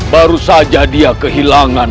baru saja dia kehilangan